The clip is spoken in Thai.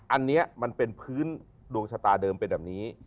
อันนี้มันเป็นพื้นดวงชะตาเดิมเป็นแบบนี้